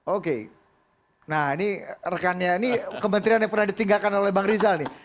oke nah ini rekannya ini kementerian yang pernah ditinggalkan oleh bang rizal nih